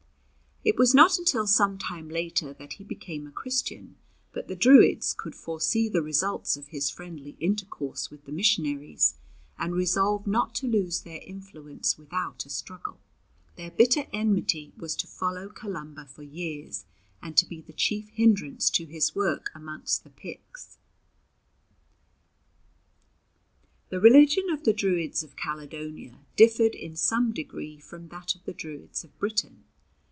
It was not until some time later that he became a Christian, but the Druids could foresee the results of his friendly intercourse with the missionaries, and resolved not to lose their influence without a struggle. Their bitter enmity was to follow Columba for years, and to be the chief hindrance to his work amongst the Picts. The religion of the Druids of Caledonia differed in some degree from that of the Druids of Britain.